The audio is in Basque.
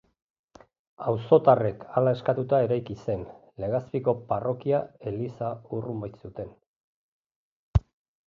Auzotarrek hala eskatuta eraiki zen, Legazpiko parrokia-eliza urrun baitzuten.